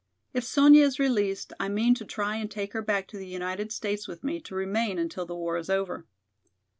If Sonya is released I mean to try and take her back to the United States with me to remain until the war is over."